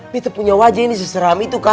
nih tuh punya wajah ini seseram itu kak